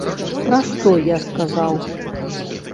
Пра што я сказаў.